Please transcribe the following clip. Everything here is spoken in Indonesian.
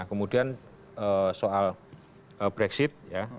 nah kemudian soal brexit